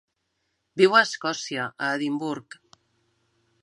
Viu a Escòcia, a Edimburg